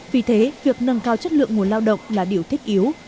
vì thế việc nâng cao chất lượng nguồn lao động là điều thiết yếu